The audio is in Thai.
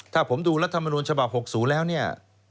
ถ้าผมดูรัฐมนุนฉบับ๖๐แล้วเนี่ย